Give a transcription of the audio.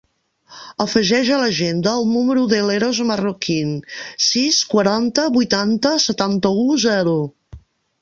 Afegeix a l'agenda el número de l'Eros Marroquin: sis, quaranta, vuitanta, setanta-u, zero.